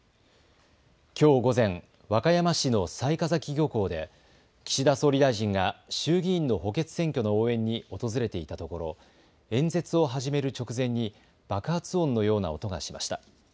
きょう午前、和歌山市の雑賀崎漁港で岸田総理大臣が衆議院の補欠選挙の応援に訪れていたところ演説を始める直前に爆発音のような音がしました。